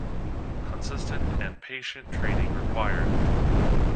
Consistent and patient training required.